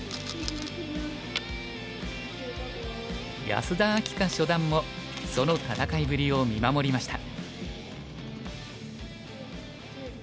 安田明夏初段もその戦いぶりを見守りました。